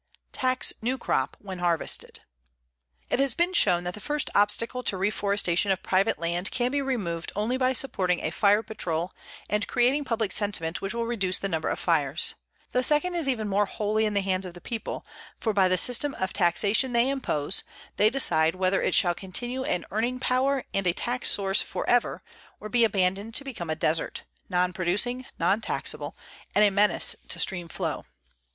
TAX NEW CROP WHEN HARVESTED It has been shown that the first obstacle to reforestation of private land can be removed only by supporting a fire patrol and creating public sentiment which will reduce the number of fires. The second is even more wholly in the hands of the people, for by the system of taxation they impose they decide whether it shall continue an earning power and a tax source forever or be abandoned to become a desert; non producing, non taxable, and a menace to stream flow.